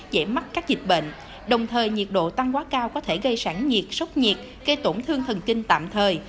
dễ mắc các dịch bệnh đồng thời nhiệt độ tăng quá cao có thể gây sản nhiệt sốc nhiệt gây tổn thương thần kinh tạm thời